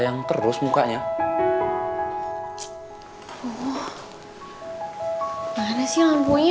nanti lo akan tidak tau dengan sendirinya